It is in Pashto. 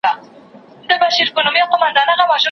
ته به هم کله زلمی وې په همزولو کي ښاغلی.